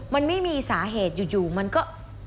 มันไม่มีสาเหตุอยู่มันก็